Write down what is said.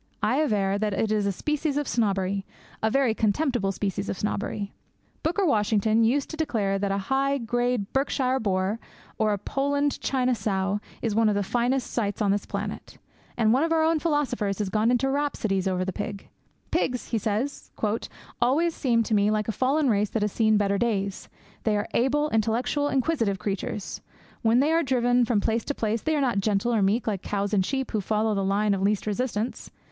I aver that it is a species of snobbery a very contemptible species of snobbery. Booker Washington used to declare that a high grade Berkshire boar, or a Poland China sow, is one of the finest sights on this planet. And one of our own philosophers has gone into rhapsodies over the pig. 'Pigs,' he says, 'always seem to me like a fallen race that has seen better days. They are able, intellectual, inquisitive creatures. When they are driven from place to place, they are not gentle or meek, like cows and sheep, who follow the line of least resistance.